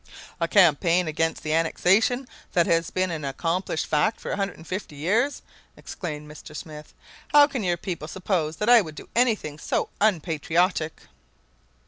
"A campaign against the annexation that has been an accomplished fact for 150 years!" exclaimed Mr. Smith. "How can your people suppose that I would do anything so unpatriotic?"